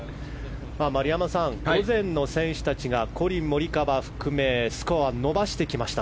丸山さん、午前の選手たちがコリン・モリカワを含めスコアを伸ばしてきました。